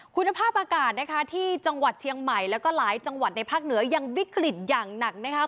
คุณภาพอากาศนะคะที่จังหวัดเชียงใหม่แล้วก็หลายจังหวัดในภาคเหนือยังวิกฤตอย่างหนักนะคะ